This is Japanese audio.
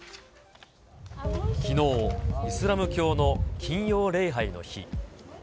きのう、イスラム教の金曜礼拝の日。